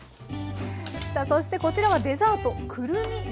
さあそしてこちらはデザート。